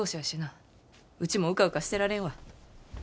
ウチもうかうかしてられんわ。